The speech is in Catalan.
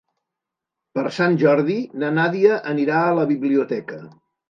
Per Sant Jordi na Nàdia anirà a la biblioteca.